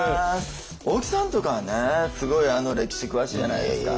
大木さんとかはねすごい歴史詳しいじゃないですか。